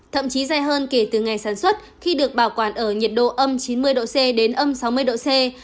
thậm chí dài hơn kể từ ngày sản xuất khi được bảo quản ở nhiệt độ âm chín mươi độ c đến âm sáu mươi độ c